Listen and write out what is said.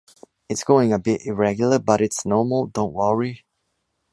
It’s going a bit irregular, but it’s normal, don’t worry.